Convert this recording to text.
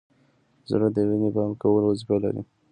زړه د وینې پمپ کولو وظیفه لري.